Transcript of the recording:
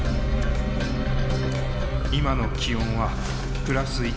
今の気温はプラス１．２℃。